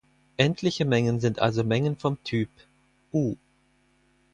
Endliche Mengen sind also Mengen vom Typ "U".